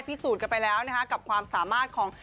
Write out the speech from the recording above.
สูจนกันไปแล้วนะคะกับความสามารถของ